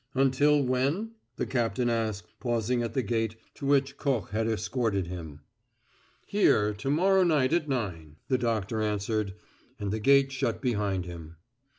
"Until when?" the captain asked, pausing at the gate, to which Koch had escorted him. "Here to morrow night at nine," the doctor answered, and the gate shut behind him.